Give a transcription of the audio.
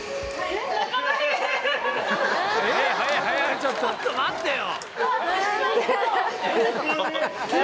ちょっと待ってよ